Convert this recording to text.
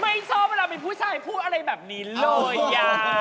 ไม่ชอบเวลามีผู้ชายพูดอะไรแบบนี้เลย